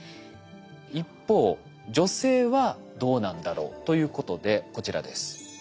一方女性はどうなんだろうということでこちらです。